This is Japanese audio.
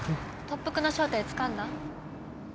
特服の正体つかんだ？